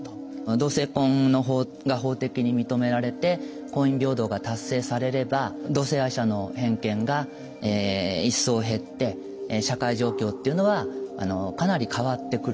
同性婚が法的に認められて婚姻平等が達成されれば同性愛者の偏見が一層減って社会状況っていうのはかなり変わってくると思ってます。